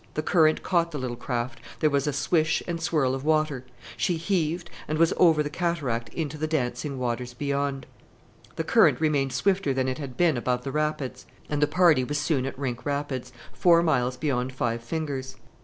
The current caught the little craft there was a swish and swirl of water she heaved, and was over the cataract into the dancing waters beyond. The current remained swifter than it had been above the rapids, and the party was soon at Rink Rapids, four miles beyond Five Fingers.